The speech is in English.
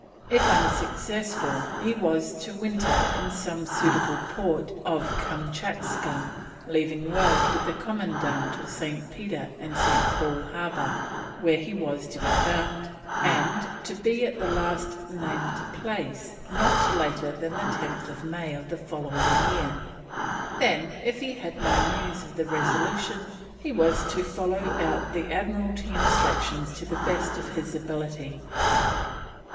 If unsuccessful he was to winter in some suitable port of Kamtschatka, leaving word with the commandant of St. Peter and St. Paul Harbour, where he was to be found, and to be at the last named place not later than 10th May of the following year. Then, if he had no news of the Resolution, he was to follow out the Admiralty instructions to the best of his ability.